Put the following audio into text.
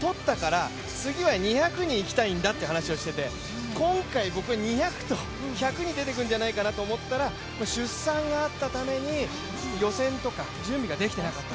もうとったから、次は２００にいきたいんだという話をしていて今回僕は、２００と１００に出てくるんじゃないかなと思ったら、出産があったために予選とか準備ができてなかった。